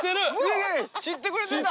知ってくれてた！